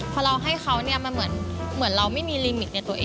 พอเราให้เขาเนี่ยมันเหมือนเราไม่มีลิมิตในตัวเอง